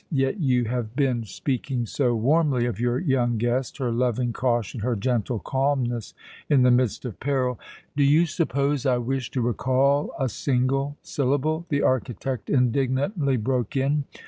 Yet you have been speaking so warmly of your young guest, her loving caution, her gentle calmness in the midst of peril " "Do you suppose I wish to recall a single syllable?" the architect indignantly broke in.